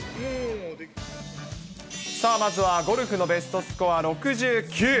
まずはゴルフのベストスコア６９。